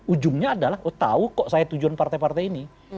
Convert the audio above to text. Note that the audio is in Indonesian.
ujungnya adalah oh tahu kok saya tujuan partai partai ini